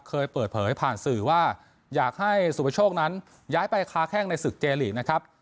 เคยเปิดเผยผ่านสื่อว่าอยากให้สุประโชคนั้นย้ายไปค้าแข้งในศึกเจลีกนะครับ